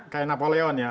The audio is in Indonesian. kayak napoleon ya